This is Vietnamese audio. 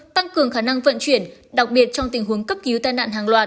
tăng cường khả năng vận chuyển đặc biệt trong tình huống cấp cứu tai nạn hàng loạt